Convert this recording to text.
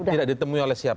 tidak ditemui oleh siapa